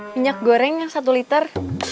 minyak goreng satu liter